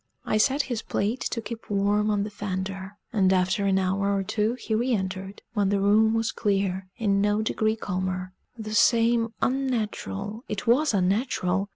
I set his plate to keep warm on the fender; and after an hour or two he re entered, when the room was clear, in no degree calmer: the same unnatural it was unnatural!